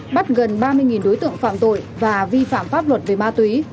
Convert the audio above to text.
bắt gần ba mươi đối tượng phạm tội và vi phạm pháp luật về ma túy